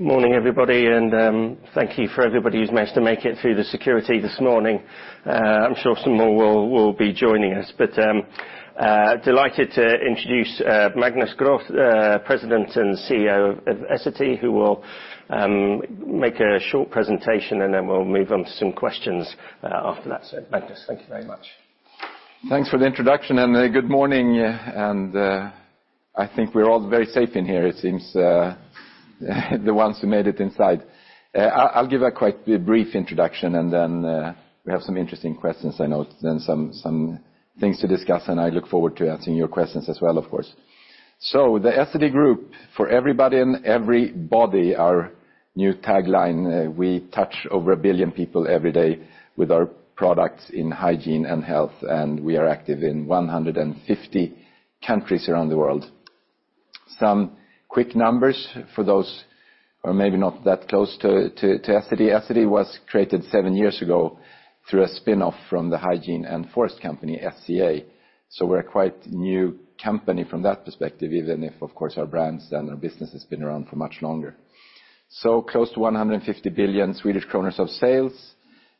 Morning, everybody, and thank you for everybody who's managed to make it through the security this morning. I'm sure some more will be joining us. Delighted to introduce Magnus Groth, the President and CEO of Essity, who will make a short presentation, and then we'll move on to some questions after that. Magnus, thank you very much. Thanks for the introduction, and good morning. I think we're all very safe in here, it seems, the ones who made it inside. I'll give a quite brief introduction, and then we have some interesting questions I know, then some things to discuss, and I look forward to answering your questions as well, of course. So the Essity Group, for everybody and every body, our new tagline, we touch over 1 billion people every day with our products in hygiene and health, and we are active in 150 countries around the world. Some quick numbers for those who are maybe not that close to Essity. Essity was created seven years ago through a spin-off from the hygiene and forest company, SCA. So we're a quite new company from that perspective, even if, of course, our brands and our business has been around for much longer. So close to 150 billion Swedish kronor of sales,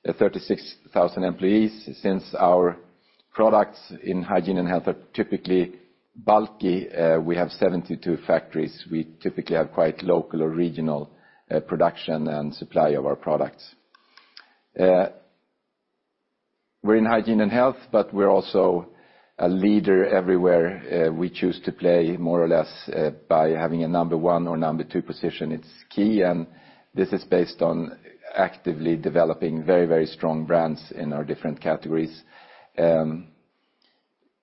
36,000 employees. Since our products in hygiene and health are typically bulky, we have 72 factories. We typically have quite local or regional, production and supply of our products. We're in hygiene and health, but we're also a leader everywhere, we choose to play more or less, by having a number one or number two position. It's key, and this is based on actively developing very, very strong brands in our different categories.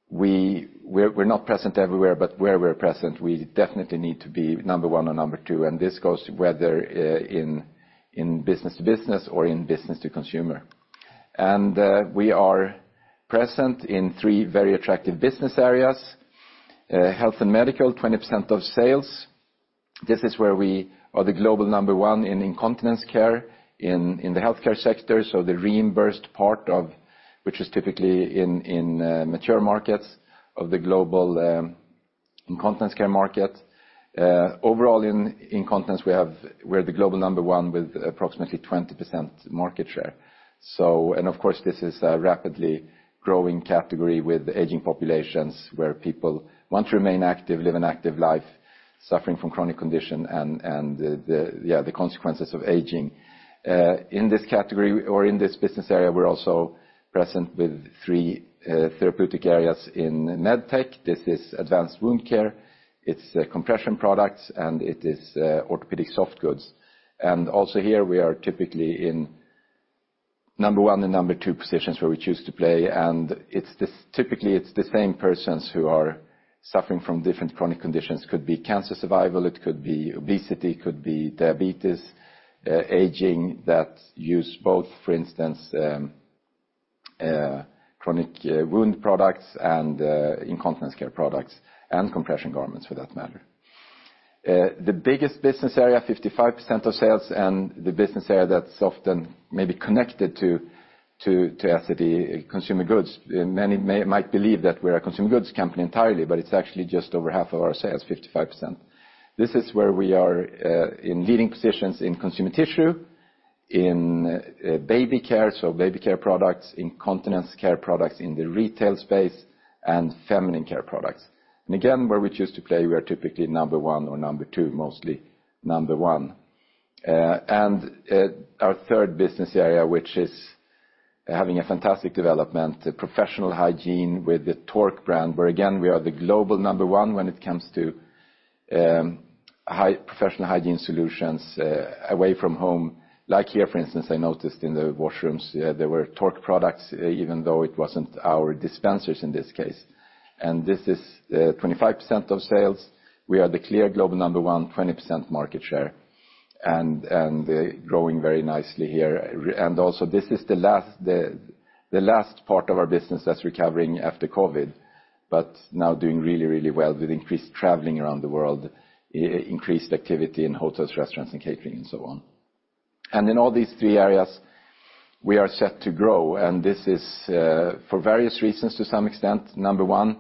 We're not present everywhere, but where we're present, we definitely need to be number one or number two, and this goes whether in business to business or in business to consumer. We are present in three very attractive business areas: Health and Medical, 20% of sales. This is where we are the global number one in incontinence care in the healthcare sector, so the reimbursed part of which is typically in mature markets of the global incontinence care market. Overall, in incontinence, we have... We're the global number one with approximately 20% market share. So, and of course, this is a rapidly growing category with aging populations, where people want to remain active, live an active life, suffering from chronic condition and the consequences of aging. In this category or in this business area, we're also present with three therapeutic areas in Medtech. This is Advanced Wound Care, it's the Compression Products, and it is orthopedic soft goods. Also here, we are typically in number one and number two positions where we choose to play, and typically, it's the same persons who are suffering from different chronic conditions. Could be cancer survival, it could be obesity, could be diabetes, aging, that use both, for instance, chronic wound products and incontinence care products, and compression garments, for that matter. The biggest business area, 55% of sales, and the business area that's often maybe connected to Essity, Consumer Goods. Many might believe that we're a Consumer Goods company entirely, but it's actually just over half of our sales, 55%. This is where we are in leading positions in consumer tissue, in baby care, so baby care products, incontinence care products in the retail space, and feminine care products. Again, where we choose to play, we are typically number one or number two, mostly number one. Our third business area, which is having a fantastic development, Professional Hygiene with the Tork brand, where, again, we are the global number one when it comes to high Professional Hygiene solutions, away from home. Like here, for instance, I noticed in the washrooms, there were Tork products, even though it wasn't our dispensers in this case. This is 25% of sales. We are the clear global number one, 20% market share, and growing very nicely here. And also, this is the last part of our business that's recovering after COVID, but now doing really, really well with increased traveling around the world, increased activity in hotels, restaurants, and catering, and so on. And in all these three areas, we are set to grow, and this is for various reasons, to some extent. Number one,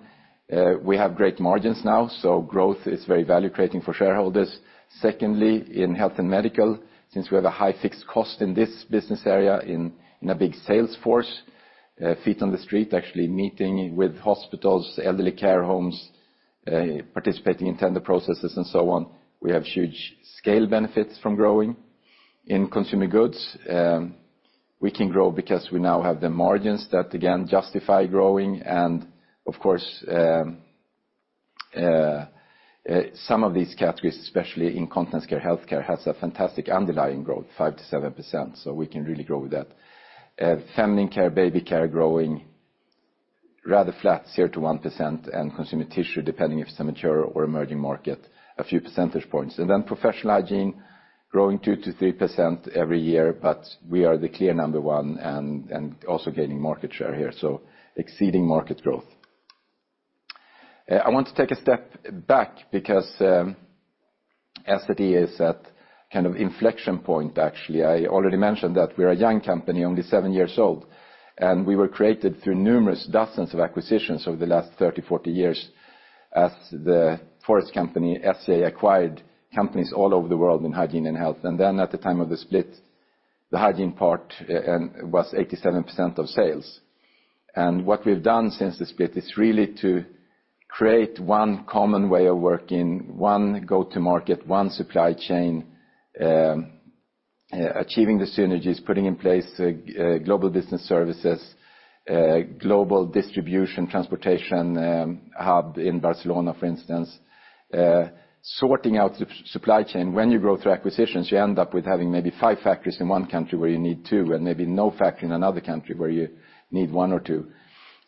we have great margins now, so growth is very value-creating for shareholders. Secondly, in Health and Medical, since we have a high fixed cost in this business area, in a big sales force, feet on the street, actually meeting with hospitals, elderly care homes, participating in tender processes, and so on, we have huge scale benefits from growing. In consumer goods, we can grow because we now have the margins that again justify growing. Of course, some of these categories, especially incontinence care, healthcare, has a fantastic underlying growth, 5%–7%, so we can really grow with that. Feminine care, baby care growing rather flat, 0%-1%, and consumer tissue, depending if it's a mature or emerging market, a few percentage points. And then Professional Hygiene, growing 2%-3% every year, but we are the clear number one and also gaining market share here, so exceeding market growth. I want to take a step back because Essity is at kind of inflection point, actually. I already mentioned that we are a young company, only 7 years old, and we were created through numerous dozens of acquisitions over the last 30, 40 years... as the forest company, SCA acquired companies all over the world in hygiene and health. And then at the time of the split, the hygiene part was 87% of sales. And what we've done since the split is really to create one common way of working, one go-to-market, one supply chain, achieving the synergies, putting in place Global Business Services, global distribution, transportation hub in Barcelona, for instance, sorting out the supply chain. When you grow through acquisitions, you end up with having maybe 5 factories in one country where you need 2, and maybe no factory in another country where you need 1 or 2.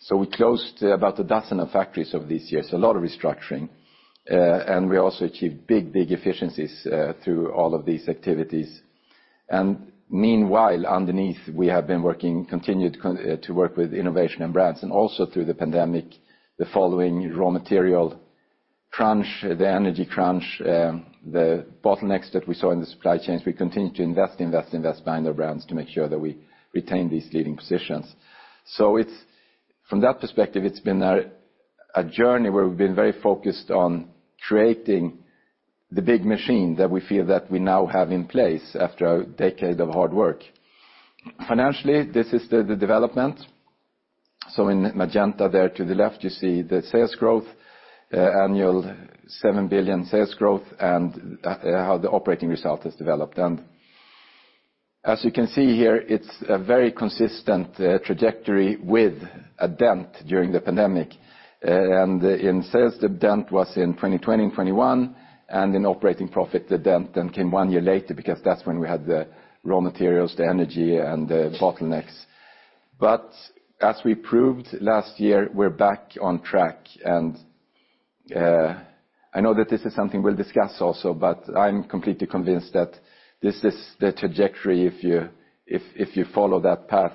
So we closed about a dozen of factories over these years, a lot of restructuring. And we also achieved big, big efficiencies through all of these activities. And meanwhile, underneath, we have been working, continued to, to work with innovation and brands, and also through the pandemic, the following raw material crunch, the energy crunch, the bottlenecks that we saw in the supply chains, we continued to invest, invest, invest behind our brands to make sure that we retain these leading positions. So it's... From that perspective, it's been a, a journey where we've been very focused on creating the big machine that we feel that we now have in place after a decade of hard work. Financially, this is the, the development. So in magenta there to the left, you see the sales growth, annual 7 billion sales growth, and, uh, how the operating result has developed. And as you can see here, it's a very consistent, trajectory with a dent during the pandemic. In sales, the dent was in 2020 and 2021, and in operating profit, the dent then came one year later because that's when we had the raw materials, the energy, and the bottlenecks. But as we proved last year, we're back on track, and I know that this is something we'll discuss also, but I'm completely convinced that this is the trajectory if you follow that path,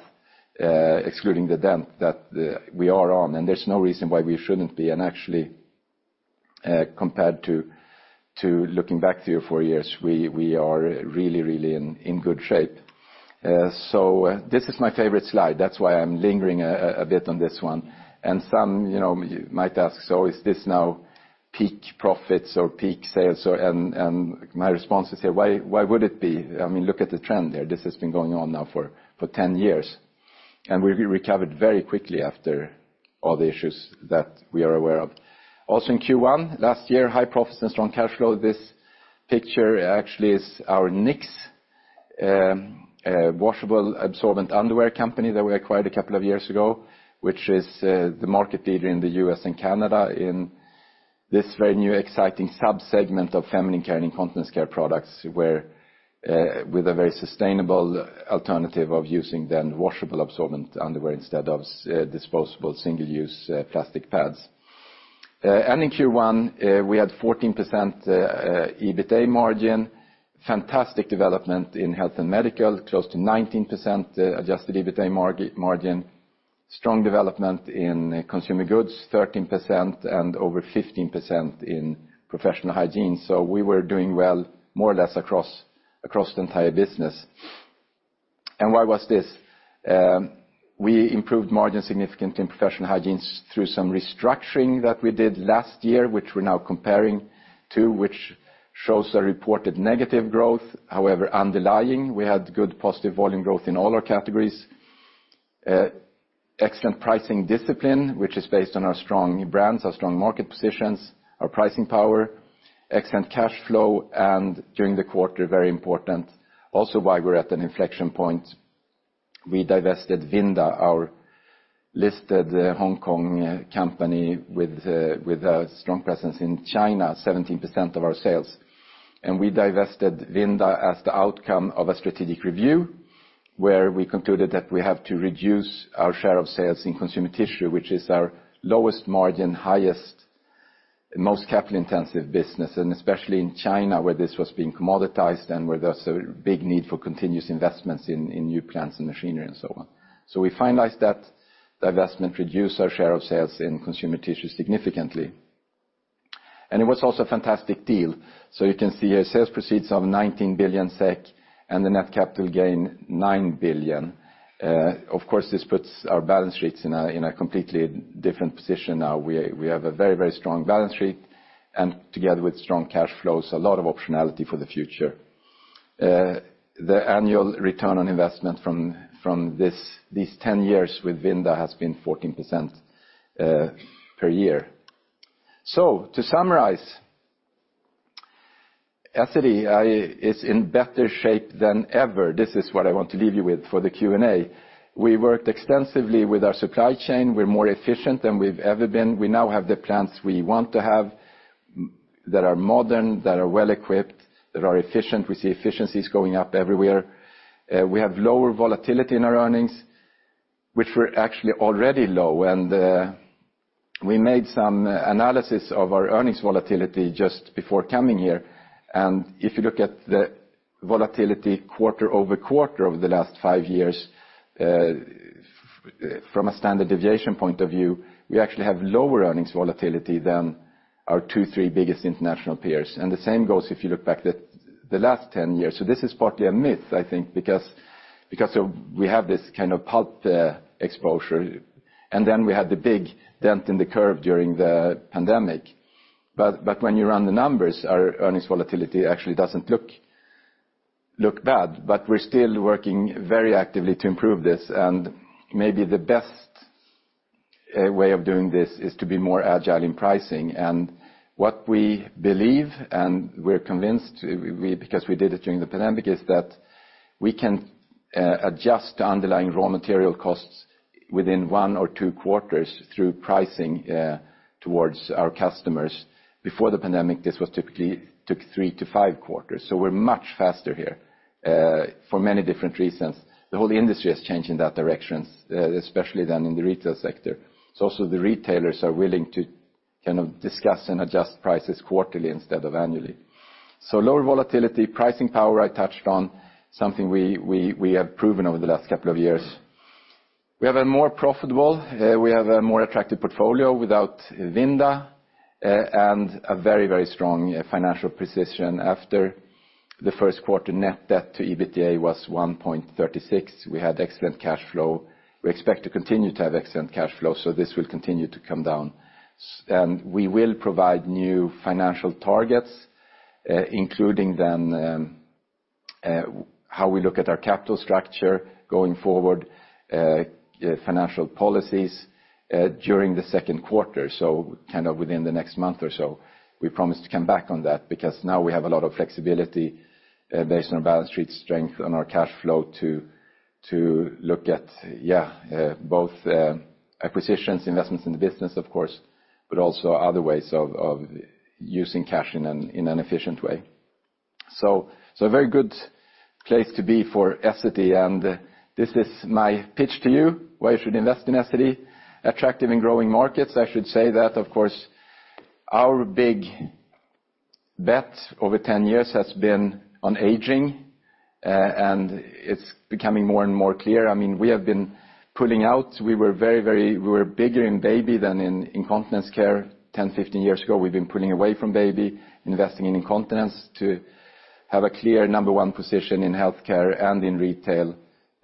excluding the dent that we are on, and there's no reason why we shouldn't be. And actually, compared to looking back 3 or 4 years, we are really in good shape. So this is my favorite slide. That's why I'm lingering a bit on this one. Some, you know, might ask, so is this now peak profits or peak sales? My response is, hey, why, why would it be? I mean, look at the trend there. This has been going on now for 10 years, and we recovered very quickly after all the issues that we are aware of. Also in Q1 last year, high profits and strong cash flow. This picture actually is our Knix washable, absorbent underwear company that we acquired a couple of years ago, which is the market leader in the U.S. and Canada in this very new, exciting sub-segment of feminine care and incontinence care products, where with a very sustainable alternative of using than washable, absorbent underwear instead of disposable, single-use plastic pads. In Q1, we had 14% EBITDA margin, fantastic development in Health and Medical, close to 19% adjusted EBITDA margin, strong development in Consumer Goods, 13%, and over 15% in Professional Hygiene. So we were doing well, more or less across the entire business. And why was this? We improved margin significantly in Professional Hygiene through some restructuring that we did last year, which we're now comparing to, which shows a reported negative growth. However, underlying, we had good positive volume growth in all our categories. Excellent pricing discipline, which is based on our strong brands, our strong market positions, our pricing power, excellent cash flow, and during the quarter, very important. Also, why we're at an inflection point, we divested Vinda, our listed Hong Kong company, with a strong presence in China, 17% of our sales. And we divested Vinda as the outcome of a strategic review, where we concluded that we have to reduce our share of sales in consumer tissue, which is our lowest margin, highest, most capital-intensive business, and especially in China, where this was being commoditized, and where there's a big need for continuous investments in new plants and machinery and so on. So we finalized that divestment, reduced our share of sales in consumer tissue significantly. And it was also a fantastic deal. So you can see here, sales proceeds of 19 billion SEK and the net capital gain, 9 billion. Of course, this puts our balance sheets in a completely different position now. We have a very, very strong balance sheet, and together with strong cash flows, a lot of optionality for the future. The annual return on investment from these 10 years with Vinda has been 14%, per year. So to summarize, Essity is in better shape than ever. This is what I want to leave you with for the Q&A. We worked extensively with our supply chain. We're more efficient than we've ever been. We now have the plants we want to have that are modern, that are well-equipped, that are efficient. We see efficiencies going up everywhere. We have lower volatility in our earnings, which were actually already low, and we made some analysis of our earnings volatility just before coming here. If you look at the volatility quarter over quarter over the last five years, from a standard deviation point of view, we actually have lower earnings volatility than our two, three biggest international peers. And the same goes if you look back at the last ten years. So this is partly a myth, I think, because we have this kind of pulp exposure, and then we had the big dent in the curve during the pandemic. But when you run the numbers, our earnings volatility actually doesn't look bad, but we're still working very actively to improve this, and maybe the best way of doing this is to be more agile in pricing. And what we believe, and we're convinced, because we did it during the pandemic, is that we can adjust the underlying raw material costs within 1 or 2 quarters through pricing towards our customers. Before the pandemic, this was typically took 3-5 quarters. So we're much faster here, for many different reasons. The whole industry has changed in that direction, especially than in the retail sector. So also, the retailers are willing to kind of discuss and adjust prices quarterly instead of annually. So lower volatility, pricing power, I touched on, something we have proven over the last couple of years. We have a more profitable, we have a more attractive portfolio without Vinda, and a very, very strong financial precision. After the first quarter, net debt to EBITDA was 1.36. We had excellent cash flow. We expect to continue to have excellent cash flow, so this will continue to come down. We will provide new financial targets, including then, how we look at our capital structure going forward, financial policies, during the second quarter, so kind of within the next month or so. We promise to come back on that because now we have a lot of flexibility, based on our balance sheet strength and our cash flow to look at, yeah, both, acquisitions, investments in the business, of course, but also other ways of using cash in an efficient way. So a very good place to be for Essity, and this is my pitch to you, why you should invest in Essity. Attractive and growing markets. I should say that, of course, our big bet over 10 years has been on aging, and it's becoming more and more clear. I mean, we have been pulling out. We were very, very bigger in baby than in incontinence care 10, 15 years ago. We've been pulling away from baby, investing in incontinence, to have a clear number one position in healthcare and in retail,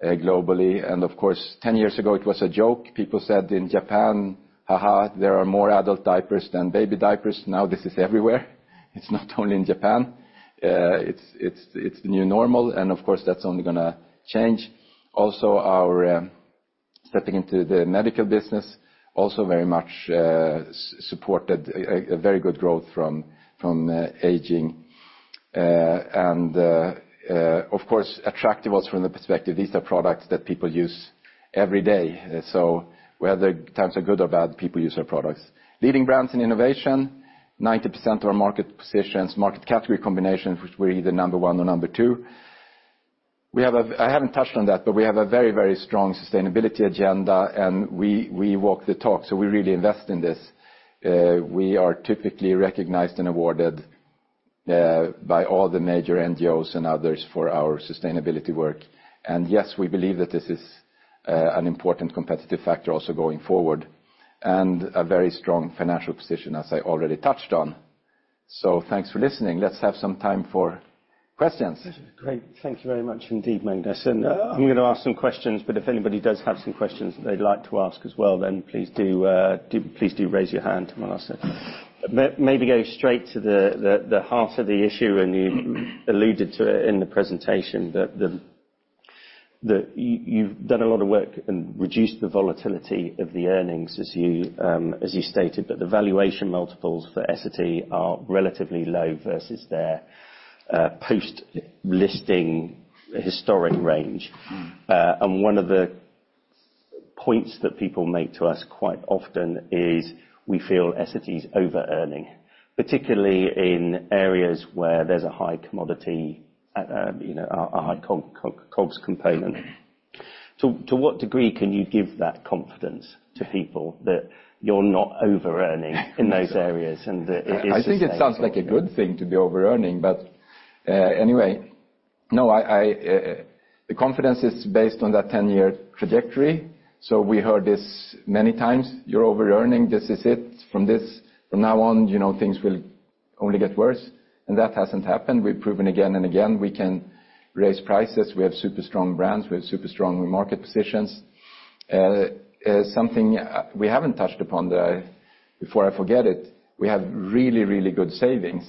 globally. And of course, 10 years ago, it was a joke. People said in Japan, "Ha, ha, there are more adult diapers than baby diapers." Now, this is everywhere. It's not only in Japan. It's the new normal, and of course, that's only going to change. Also, our stepping into the medical business also very much supported a very good growth from aging. Of course, attractive also from the perspective—these are products that people use every day. So whether times are good or bad, people use our products. Leading brands in innovation, 90% of our market positions, market category combinations, which we're either number one or number two. I haven't touched on that, but we have a very, very strong sustainability agenda, and we walk the talk, so we really invest in this. We are typically recognized and awarded by all the major NGOs and others for our sustainability work. Yes, we believe that this is an important competitive factor also going forward, and a very strong financial position, as I already touched on. So thanks for listening. Let's have some time for questions. Great. Thank you very much indeed, Magnus, and I'm going to ask some questions, but if anybody does have some questions they'd like to ask as well, then please do please do raise your hand, and I'll ask it. Maybe go straight to the heart of the issue, and you alluded to it in the presentation, that you you've done a lot of work and reduced the volatility of the earnings, as you stated, but the valuation multiples for Essity are relatively low versus their post-listing historic range. And one of the points that people make to us quite often is we feel Essity is over-earning, particularly in areas where there's a high commodity, you know, a high costs component. So to what degree can you give that confidence to people that you're not over-earning in those areas, and that it is sustainable? I think it sounds like a good thing to be over-earning, but, anyway, no, I, the confidence is based on that 10-year trajectory. So we heard this many times: You're over-earning, this is it. From now on, you know, things will only get worse, and that hasn't happened. We've proven again and again, we can raise prices. We have super strong brands. We have super strong market positions. Something, we haven't touched upon the, before I forget it, we have really, really good savings.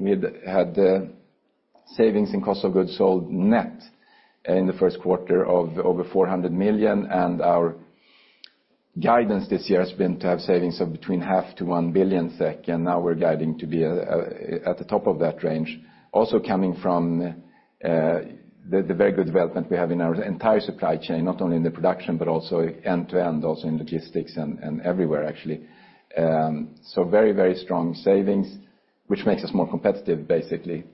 We had savings in cost of goods sold net in the first quarter of over 400 million, and our guidance this year has been to have savings of between 0.5 billion-1 billion SEK, and now we're guiding to be at the top of that range. Also coming from the very good development we have in our entire supply chain, not only in the production, but also end-to-end, also in logistics and everywhere, actually. So very, very strong savings, which makes us more competitive, basically.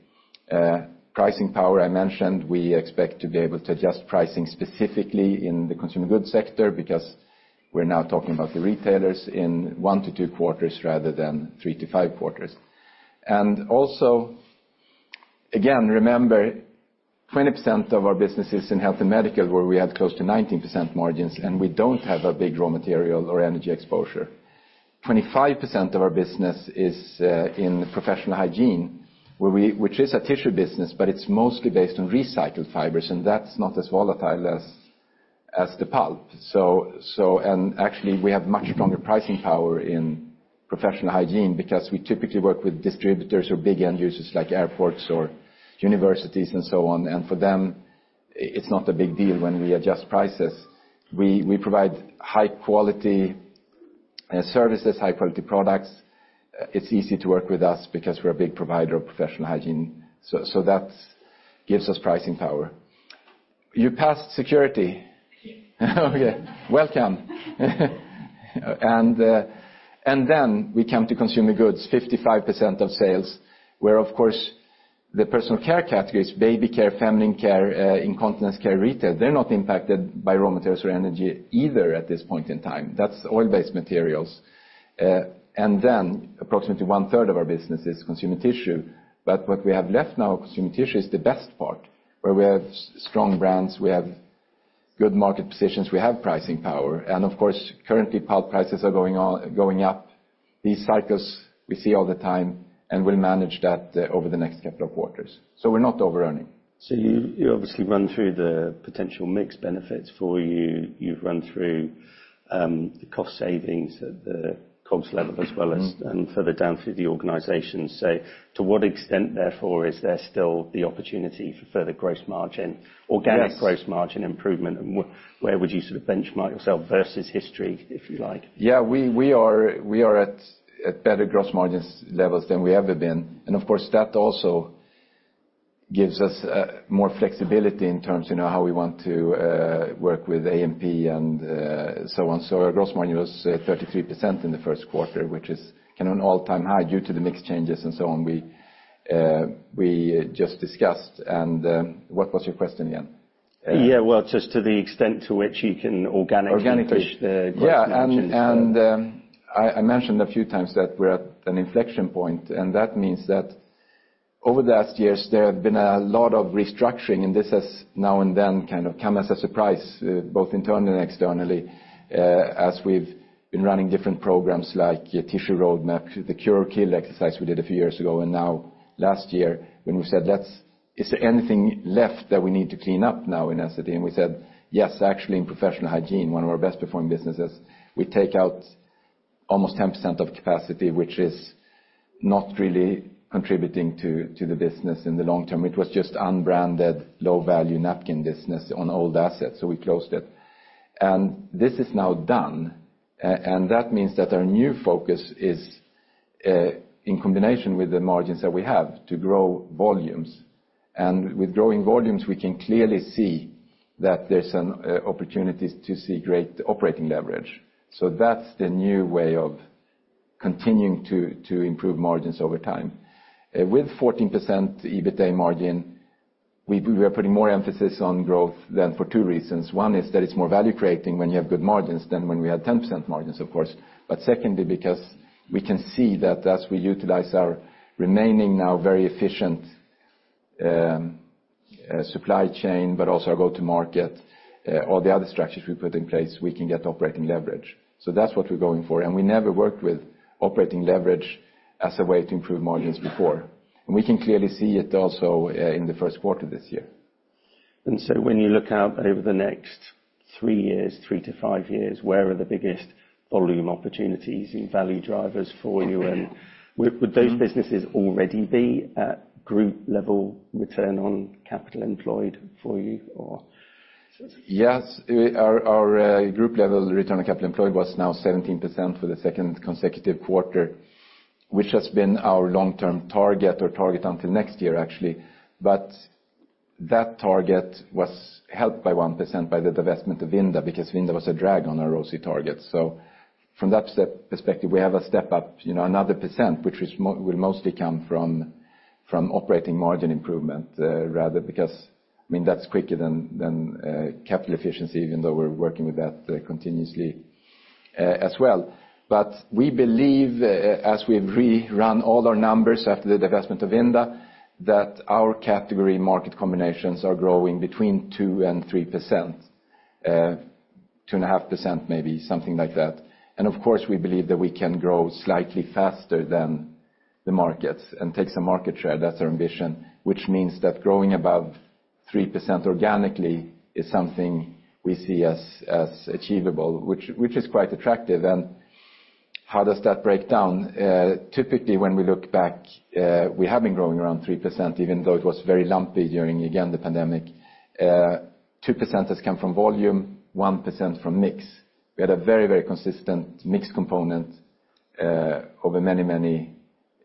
Pricing power, I mentioned, we expect to be able to adjust pricing specifically in the consumer goods sector, because we're now talking about the retailers in 1–2 quarters rather than 3–5 quarters. And also, again, remember, 20% of our business is in Health and Medical, where we had close to 19% margins, and we don't have a big raw material or energy exposure. Twenty-five percent of our business is in professional hygiene, which is a tissue business, but it's mostly based on recycled fibers, and that's not as volatile as the pulp. Actually, we have much stronger pricing power in professional hygiene because we typically work with distributors or big end users, like airports or universities, and so on. And for them, it's not a big deal when we adjust prices. We provide high quality services, high quality products. It's easy to work with us because we're a big provider of professional hygiene, so that gives us pricing power. You passed security? Okay, welcome. And then we come to consumer goods, 55% of sales, where, of course, the personal care categories, baby care, feminine care, incontinence care, retail, they're not impacted by raw materials or energy either at this point in time. That's oil-based materials. And then approximately one third of our business is consumer tissue. But what we have left now of consumer tissue is the best part, where we have strong brands, we have good market positions, we have pricing power. And of course, currently, pulp prices are going up. These cycles we see all the time, and we'll manage that over the next couple of quarters. So we're not overearning. So you, you obviously run through the potential mix benefits for you. You've run through the cost savings at the COGS level, as well as- Mm-hmm... and further down through the organization. To what extent, therefore, is there still the opportunity for further gross margin- Yes... organic gross margin improvement? And where would you sort of benchmark yourself versus history, if you like? Yeah, we are at better gross margins levels than we ever been. And of course, that also gives us more flexibility in terms, you know, how we want to work with A&P and so on. So our gross margin was 33% in the first quarter, which is kind of an all-time high due to the mix changes and so on, we just discussed. And what was your question again? Yeah, well, just to the extent to which you can organically- Organically push the gross margins. Yeah, and I mentioned a few times that we're at an inflection point, and that means that over the last years, there have been a lot of restructuring, and this has now and then kind of come as a surprise, both internally and externally, as we've been running different programs like Tissue Roadmap, the Cure or Kill exercise we did a few years ago. And now last year, when we said, Let's, is there anything left that we need to clean up now in Essity? And we said, Yes, actually, in Professional Hygiene, one of our best performing businesses, we take out almost 10% of capacity, which is not really contributing to the business in the long term. It was just unbranded, low-value napkin business on old assets, so we closed it. This is now done, and that means that our new focus is in combination with the margins that we have to grow volumes. And with growing volumes, we can clearly see that there's an opportunities to see great operating leverage. So that's the new way of continuing to improve margins over time. With 14% EBITDA margin, we are putting more emphasis on growth than for two reasons. One is that it's more value creating when you have good margins than when we had 10% margins, of course. But secondly, because we can see that as we utilize our remaining now very efficient supply chain, but also our go-to-market, all the other strategies we put in place, we can get operating leverage. That's what we're going for, and we never worked with operating leverage as a way to improve margins before. We can clearly see it also in the first quarter this year. So when you look out over the next 3 years, 3-5 years, where are the biggest volume opportunities and value drivers for you? Would those businesses already be at Group-level Return on Capital Employed for you, or? Yes. Our group level return on capital employed was now 17% for the second consecutive quarter, which has been our long-term target or target until next year, actually. But that target was helped by 1% by the divestment of Vinda, because Vinda was a drag on our ROCE target. So from that step perspective, we have a step up, you know, another 1%, which will mostly come from operating margin improvement, rather, because, I mean, that's quicker than capital efficiency, even though we're working with that continuously, as well. But we believe, as we've rerun all our numbers after the divestment of Vinda, that our category market combinations are growing between 2% and 3%, 2.5%, maybe something like that. And of course, we believe that we can grow slightly faster than the markets and take some market share. That's our ambition. Which means that growing above 3% organically is something we see as achievable, which is quite attractive. And how does that break down? Typically, when we look back, we have been growing around 3%, even though it was very lumpy during, again, the pandemic. Two percent has come from volume, 1% from mix. We had a very, very consistent mix component over many, many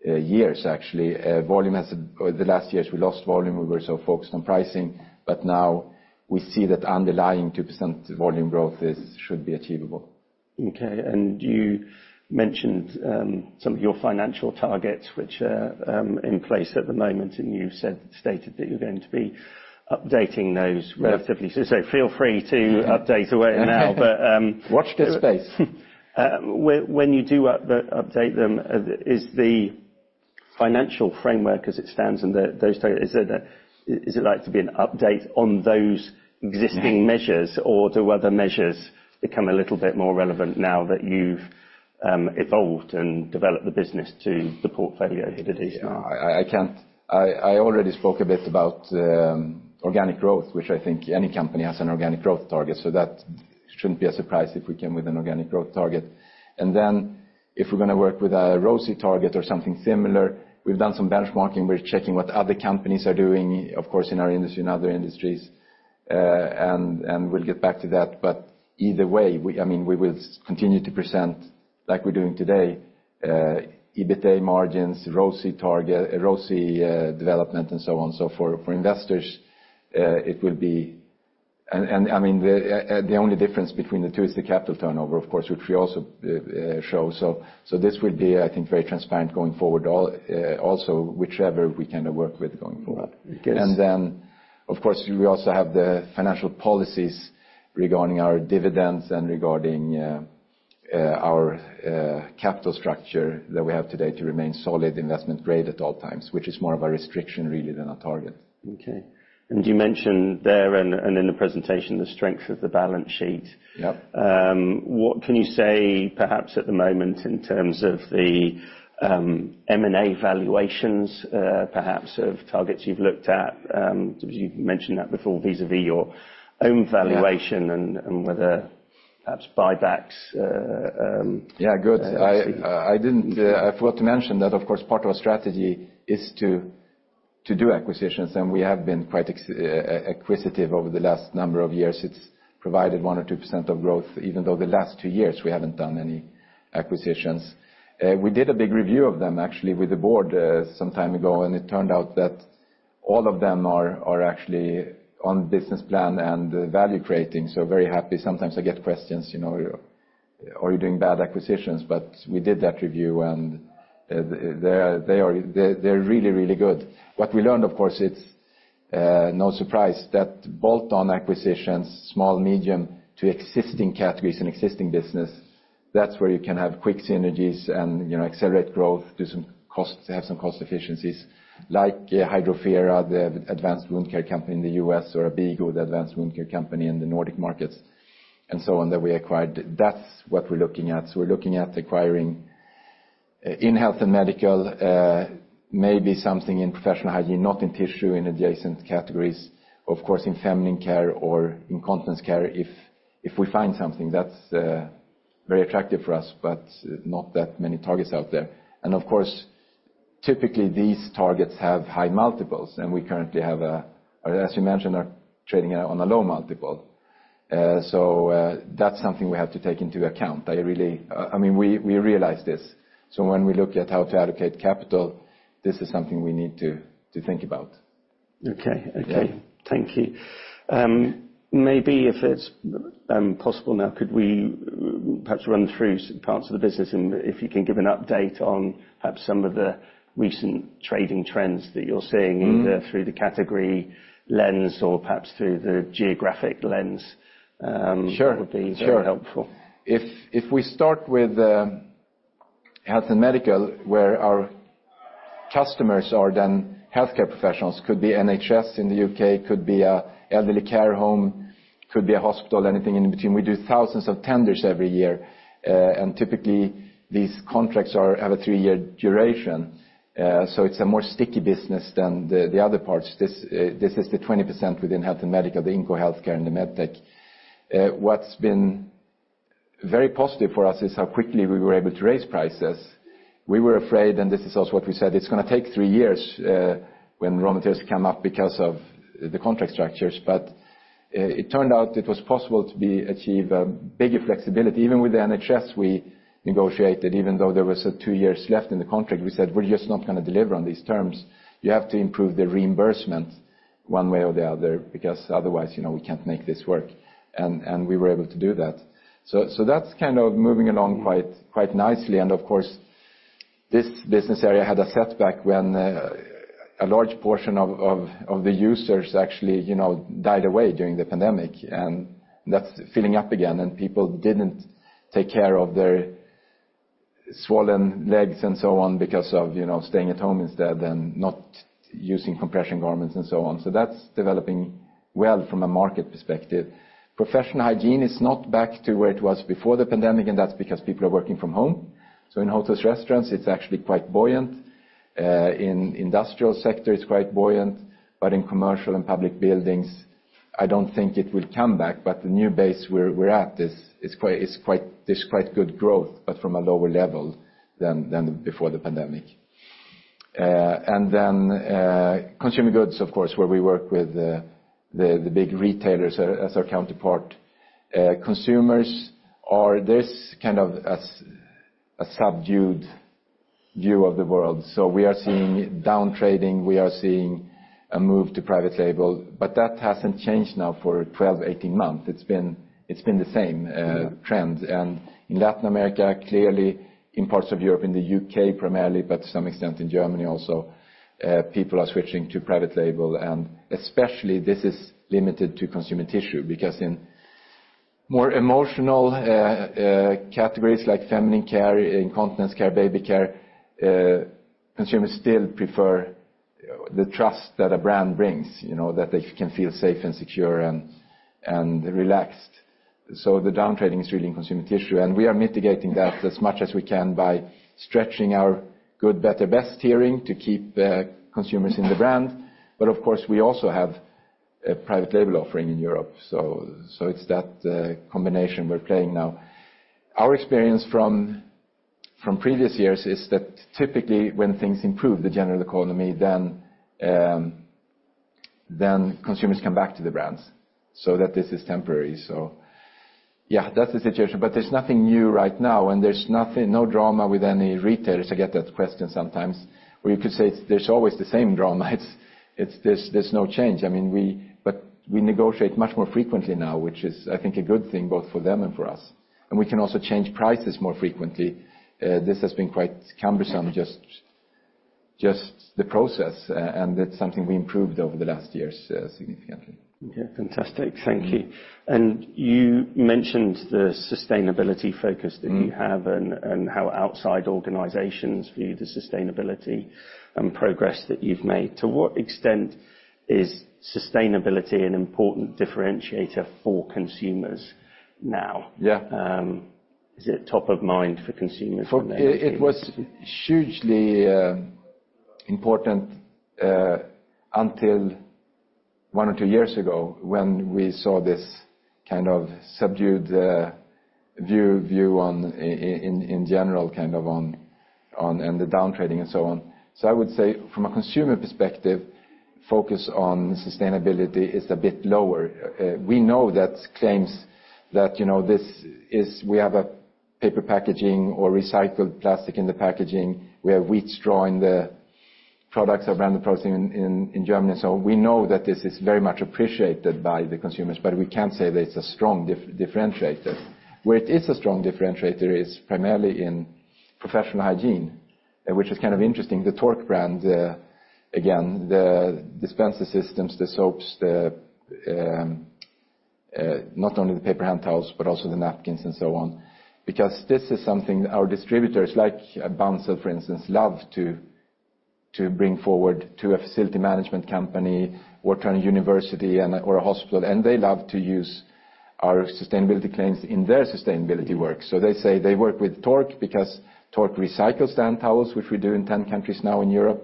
years, actually. The last years, we lost volume. We were so focused on pricing, but now we see that underlying 2% volume growth should be achievable. Okay. You mentioned some of your financial targets, which are in place at the moment, and you've stated that you're going to be updating those relatively- Yeah... soon. Feel free to update away now. Watch this space. When you update them, is the financial framework as it stands and those data, is it like to be an update on those existing measures, or do other measures become a little bit more relevant now that you've evolved and developed the business to the portfolio that it is now? I already spoke a bit about the organic growth, which I think any company has an organic growth target, so that shouldn't be a surprise if we came with an organic growth target. And then if we're gonna work with a ROCE target or something similar, we've done some benchmarking. We're checking what other companies are doing, of course, in our industry and other industries, and we'll get back to that. But either way, I mean, we will continue to present, like we're doing today, EBITDA margins, ROCE target, ROCE development, and so on. So for investors, it will be... And I mean, the only difference between the two is the capital turnover, of course, which we also show. So, this will be, I think, very transparent going forward, all, also whichever we kind of work with going forward. Okay. And then, of course, we also have the financial policies regarding our dividends and regarding our capital structure that we have today to remain solid investment grade at all times, which is more of a restriction really than a target. Okay. And you mentioned there and in the presentation, the strength of the balance sheet. Yep. What can you say, perhaps at the moment, in terms of the M&A valuations, perhaps of targets you've looked at? You've mentioned that before, vis-à-vis your own valuation- Yeah... and whether perhaps buybacks... Yeah, good. See. I didn't, I forgot to mention that, of course, part of our strategy is to do acquisitions, and we have been quite acquisitive over the last number of years. It's provided 1% or 2% of growth, even though the last two years we haven't done any acquisitions. We did a big review of them, actually, with the board, some time ago, and it turned out that all of them are actually on business plan and value creating, so very happy. Sometimes I get questions, you know, "Are you doing bad acquisitions?" But we did that review, and they are, they're really, really good. What we learned, of course, it's no surprise that bolt-on acquisitions, small, medium to existing categories and existing business, that's where you can have quick synergies and, you know, accelerate growth, do some costs, have some cost efficiencies, like Hydrofera, the Advanced Wound Care company in the U.S., or Abigo, the Advanced Wound Care company in the Nordic markets, and so on, that we acquired. That's what we're looking at. So we're looking at acquiring in Health and Medical, maybe something in Professional Hygiene, not in tissue, in adjacent categories, of course, in Feminine Care or Incontinence Care, if we find something that's very attractive for us, but not that many targets out there. And of course, typically, these targets have high multiples, and we currently have a, or as you mentioned, are trading on a low multiple. So, that's something we have to take into account. I really, I mean, we realize this, so when we look at how to allocate capital, this is something we need to think about. Okay. Yeah. Okay. Thank you. Maybe if it's possible now, could we perhaps run through parts of the business, and if you can give an update on perhaps some of the recent trading trends that you're seeing- Mm-hmm... either through the category lens or perhaps through the geographic lens, Sure, sure... would be very helpful. If we start with Health and Medical, where our customers are then healthcare professionals, could be NHS in the UK, could be an elderly care home, could be a hospital, anything in between. We do thousands of tenders every year, and typically, these contracts have a three-year duration, so it's a more sticky business than the other parts. This is the 20% within Health and Medical, the Inco healthcare and the Medtech. What's been very positive for us is how quickly we were able to raise prices. We were afraid, and this is also what we said, it's gonna take three years, when raw materials come up because of the contract structures. But it turned out it was possible to achieve a bigger flexibility. Even with the NHS, we negotiated, even though there was two years left in the contract, we said, "We're just not gonna deliver on these terms. You have to improve the reimbursement one way or the other, because otherwise, you know, we can't make this work." And we were able to do that. So that's kind of moving along quite nicely. And of course, this business area had a setback when a large portion of the users actually, you know, died away during the pandemic, and that's filling up again, and people didn't take care of their swollen legs and so on because of, you know, staying at home instead, and not using compression garments and so on. So that's developing well from a market perspective. Professional hygiene is not back to where it was before the pandemic, and that's because people are working from home. So in hotels, restaurants, it's actually quite buoyant. In industrial sector, it's quite buoyant, but in commercial and public buildings, I don't think it will come back, but the new base where we're at is quite—there's quite good growth, but from a lower level than before the pandemic. And then consumer goods, of course, where we work with the big retailers as our counterpart. Consumers are this kind of a subdued view of the world. So we are seeing down trading, we are seeing a move to private label, but that hasn't changed now for 12, 18 months. It's been the same trend. In Latin America, clearly in parts of Europe, in the UK primarily, but to some extent in Germany also, people are switching to private label, and especially this is limited to consumer tissue, because in more emotional categories like feminine care, incontinence care, baby care, consumers still prefer the trust that a brand brings, you know, that they can feel safe and secure and relaxed. So the downtrading is really in consumer tissue, and we are mitigating that as much as we can by stretching our Good, Better, Best tiering to keep the consumers in the brand. But of course, we also have a private label offering in Europe, so it's that combination we're playing now. Our experience from previous years is that typically, when things improve the general economy, then consumers come back to the brands, so that this is temporary. So yeah, that's the situation, but there's nothing new right now, and there's nothing—no drama with any retailers. I get that question sometimes, where you could say there's always the same drama. It's, there's no change. I mean, we but we negotiate much more frequently now, which is, I think, a good thing both for them and for us. And we can also change prices more frequently. This has been quite cumbersome, just the process, and it's something we improved over the last years, significantly. Yeah. Fantastic. Mm-hmm. Thank you. You mentioned the sustainability focus- Mm. that you have and how outside organizations view the sustainability and progress that you've made. To what extent is sustainability an important differentiator for consumers now? Yeah. Is it top of mind for consumers when they- It was hugely important until one or two years ago, when we saw this kind of subdued view on innovation in general, kind of ongoing and the down trading and so on. So I would say from a consumer perspective, focus on sustainability is a bit lower. We know that claims that, you know, this is. We have a paper packaging or recycled plastic in the packaging, we have wheat straw in the products or brand processing in Germany. So we know that this is very much appreciated by the consumers, but we can't say that it's a strong differentiator. Where it is a strong differentiator is primarily in Professional Hygiene, which is kind of interesting. The Tork brand, again, the dispenser systems, the soaps, not only the paper hand towels, but also the napkins and so on. Because this is something our distributors, like Bunzl, for instance, love to bring forward to a facility management company or training university or a hospital. And they love to use our sustainability claims in their sustainability work. So they say they work with Tork because Tork recycles hand towels, which we do in 10 countries now in Europe.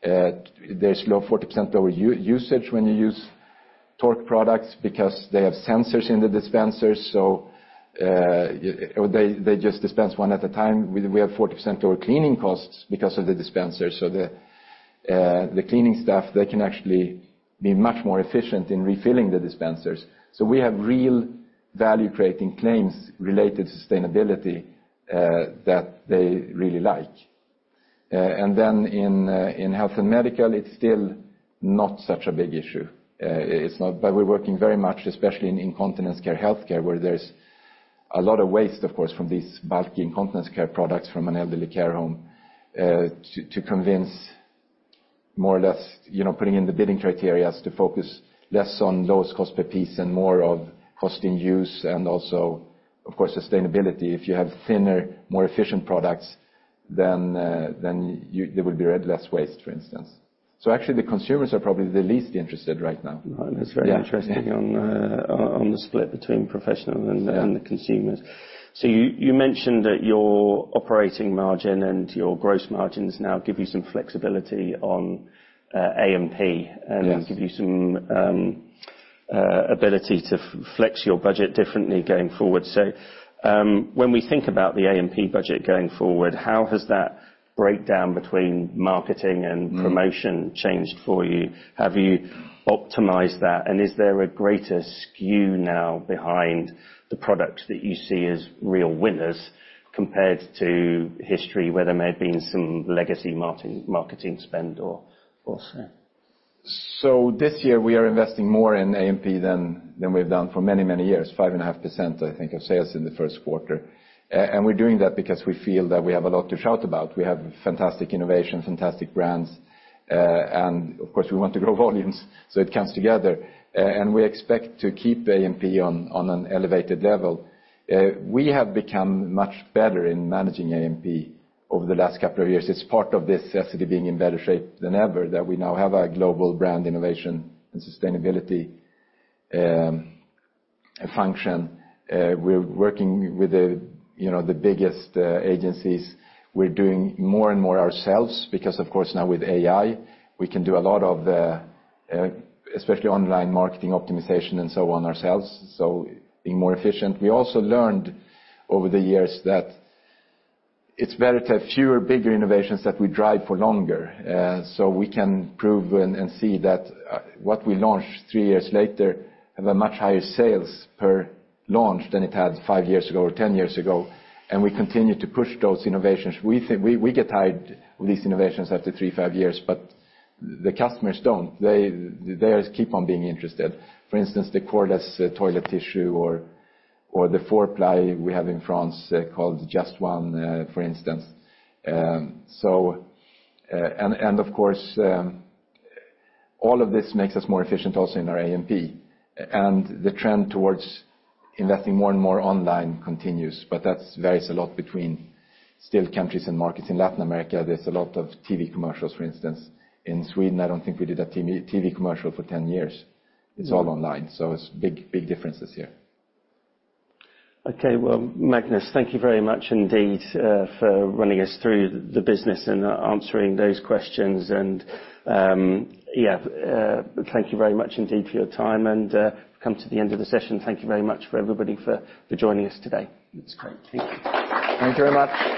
There's low 40% over-usage when you use Tork products because they have sensors in the dispensers, so they just dispense one at a time. We have 40% over cleaning costs because of the dispensers. So the cleaning staff, they can actually be much more efficient in refilling the dispensers. So we have real value-creating claims related to sustainability, that they really like. And then in Health and Medical, it's still not such a big issue. It's not, but we're working very much, especially in Incontinence Care, healthcare, where there's a lot of waste, of course, from these bulky Incontinence Care products from an elderly care home. To convince more or less, you know, putting in the bidding criteria to focus less on lowest cost per piece and more of cost in use, and also, of course, sustainability. If you have thinner, more efficient products, then there will be less waste, for instance. So actually, the consumers are probably the least interested right now. That's very interesting- Yeah... on the split between professional and the- Yeah and the consumers. So you, you mentioned that your operating margin and your gross margins now give you some flexibility on A&P. Yes... and give you some ability to flex your budget differently going forward. So, when we think about the A&P budget going forward, how has that breakdown between marketing and- Mm promotion changed for you? Have you optimized that, and is there a greater skew now behind the products that you see as real winners compared to history, where there may have been some legacy marketing spend or also? So this year, we are investing more in A&P than we've done for many, many years. 5.5%, I think, of sales in the first quarter. And we're doing that because we feel that we have a lot to shout about. We have fantastic innovation, fantastic brands, and of course, we want to grow volumes, so it comes together. And we expect to keep A&P on an elevated level. We have become much better in managing A&P over the last couple of years. It's part of this Essity being in better shape than ever, that we now have a global brand innovation and sustainability function. We're working with the, you know, the biggest agencies. We're doing more and more ourselves, because, of course, now with AI, we can do a lot of the, especially online marketing optimization and so on ourselves, so being more efficient. We also learned over the years that it's better to have fewer, bigger innovations that we drive for longer. So we can prove and see that what we launched three years later have a much higher sales per launch than it had five years ago or 10 years ago, and we continue to push those innovations. We think we get tired with these innovations after three, five years, but the customers don't. They, theirs keep on being interested. For instance, the coreless toilet tissue or the 4-ply we have in France, called Just1, for instance. Of course, all of this makes us more efficient also in our A&P. The trend towards investing more and more online continues, but that varies a lot between, still, countries and markets. In Latin America, there's a lot of TV commercials, for instance. In Sweden, I don't think we did a TV commercial for 10 years. Mm. It's all online, so it's big, big differences here. Okay, well, Magnus, thank you very much indeed for running us through the business and answering those questions. And, yeah, thank you very much indeed for your time and come to the end of the session. Thank you very much for everybody for joining us today. It's great. Thank you. Thank you very much.